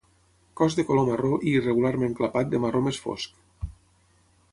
Cos de color marró i irregularment clapat de marró més fosc.